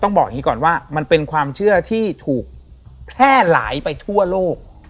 บอกอย่างนี้ก่อนว่ามันเป็นความเชื่อที่ถูกแพร่หลายไปทั่วโลก